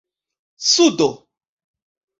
sudo